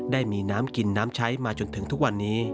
ได้มีน้ำกินน้ำใช้มาจนถึงทุกวันนี้